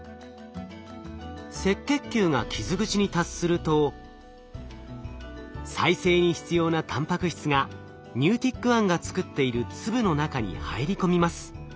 赤血球が傷口に達すると再生に必要なたんぱく質がＮｅｗｔｉｃ１が作っている粒の中に入り込みます。